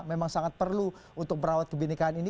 memang sangat perlu untuk merawat kebenekaan ini